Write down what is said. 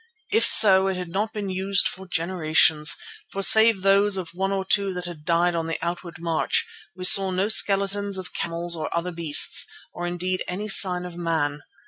If so, it had not been used for generations, for save those of one or two that had died on the outward march, we saw no skeletons of camels or other beasts, or indeed any sign of man.